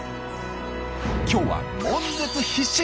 今日は悶絶必至！